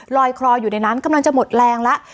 คลออยู่ในนั้นกำลังจะหมดแรงแล้ว